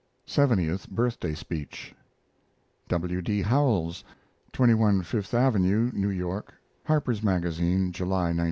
Seventieth Birthday speech. W. D. HOWELLS (21 Fifth Avenue, New York) Harper's Magazine, July, 1906.